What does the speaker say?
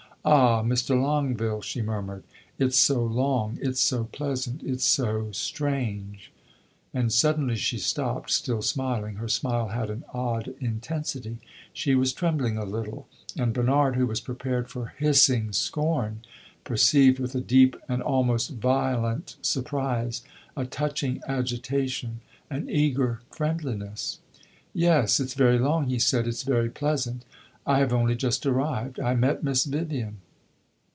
"Ah, Mr. Longueville," she murmured, "it 's so long it 's so pleasant it 's so strange " And suddenly she stopped, still smiling. Her smile had an odd intensity; she was trembling a little, and Bernard, who was prepared for hissing scorn, perceived with a deep, an almost violent, surprise, a touching agitation, an eager friendliness. "Yes, it 's very long," he said; "it 's very pleasant. I have only just arrived; I met Miss Vivian."